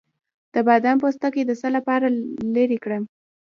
د بادام پوستکی د څه لپاره لرې کړم؟